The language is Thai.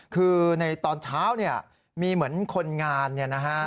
คือในตอนเช้าเนี่ยมีเหมือนคนงานเนี่ยนะฮะ